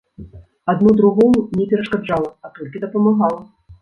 Адно другому не перашкаджала, а толькі дапамагала.